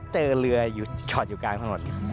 เจอเรือจอดอยู่กลางถนน